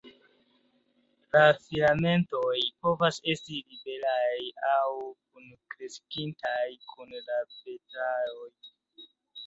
La filamentoj povas esti liberaj aŭ kunkreskintaj kun la petaloj.